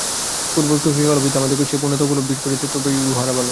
পূর্বোক্ত ক্রিয়াকলাপ যদি আমাদিগকে সেই পূর্ণতা উপলব্ধি করিতে সাহায্য করে, তবেই উহারা ভাল।